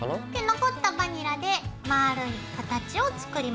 残ったバニラで丸い形を作ります。